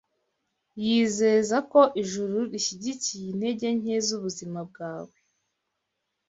yizeza ko Ijuru rishyigikiye intege nke zubuzima bwawe,